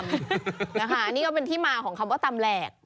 อันนี้ก็เป็นที่มาของคำว่าตำแหลก